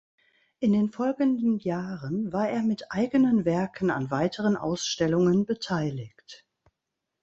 In den folgenden Jahren war er mit eigenen Werken an weiteren Ausstellungen beteiligt.